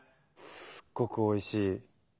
すっごくおいしい。